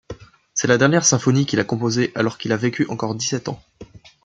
C'est la dernière symphonie qu'il a composée alors qu'il a vécu encore dix-sept ans.